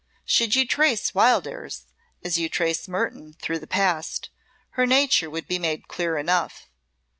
Should you trace Wildairs, as you trace Mertoun through the past, her nature would be made clear enough.